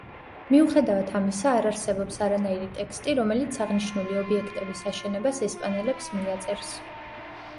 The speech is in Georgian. მიუხედავად ამისა, არ არსებობს არანაირი ტექსტი, რომელიც აღნიშნული ობიექტების აშენებას ესპანელებს მიაწერს.